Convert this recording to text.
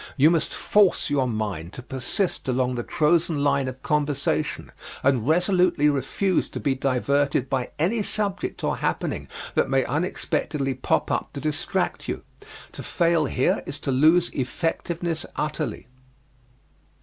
You must force your mind to persist along the chosen line of conversation and resolutely refuse to be diverted by any subject or happening that may unexpectedly pop up to distract you. To fail here is to lose effectiveness utterly.